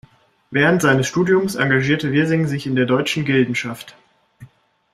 Während seines Studiums engagierte Wirsing sich in der Deutschen Gildenschaft.